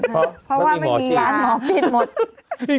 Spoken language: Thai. เพราะว่าไม่มีร้านหมอปิดหมด